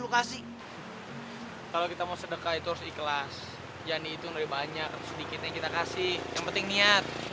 kakak kalau lo jadi maling sini sini dompetnya